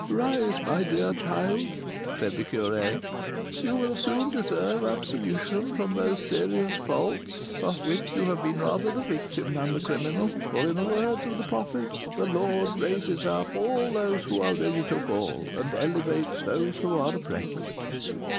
"Rise, my dear child," said the curé; "you will soon deserve absolution from those serious faults of which you have rather been the victim than the criminal; for, in the words of the prophet, 'The Lord raises up all those who are ready to fall, and elevates those who are oppressed.'"